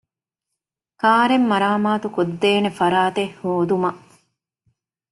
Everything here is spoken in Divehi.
ކާރެއް މަރާމާތުކޮށްދޭނެ ފަރާތެއް ހޯދުމަށް